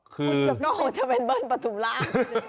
คือมันจะเป็นเบิ้ลประถุงร่าง